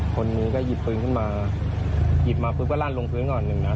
คนนี้ก็หยิบปืนขึ้นมาหยิบมาปุ๊บก็ลั่นลงพื้นก่อนหนึ่งนัด